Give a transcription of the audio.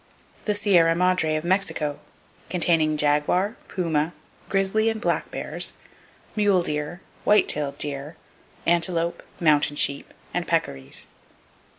The Sierra Madre Of Mexico , containing jaguar, puma, grizzly and black bears, mule deer, white tailed deer, antelope, mountain sheep and peccaries.